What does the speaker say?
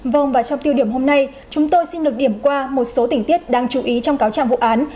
vâng và trong tiêu điểm hôm nay chúng tôi xin được điểm qua một số tỉnh tiết đáng chú ý trong cáo trạng vụ án